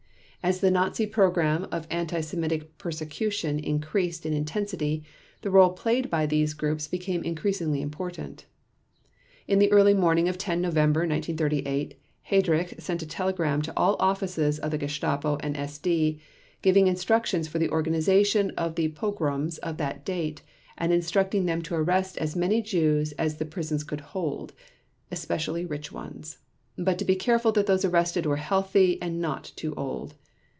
As the Nazi program of anti Semitic persecution increased in intensity the role played by these groups became increasingly important. In the early morning of 10 November 1938, Heydrich sent a telegram to all offices of the Gestapo and SD giving instructions for the organization of the pogroms of that date and instructing them to arrest as many Jews as the prisons could hold "especially rich ones", but to be careful that those arrested were healthy and not too old.